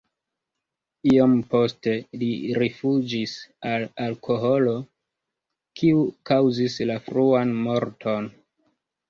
Iom poste li rifuĝis al alkoholo, kiu kaŭzis la fruan morton.